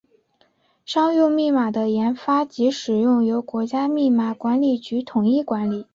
商用密码的研发及使用由国家密码管理局统一管理。